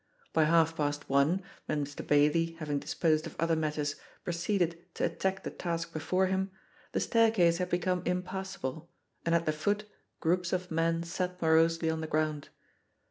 By half past one, when Mr. Bailey, having disposed of other matters, proceeded to attack the task before him, the staircase had become impassable, and at the foot, groups of men sat morosely on the ground.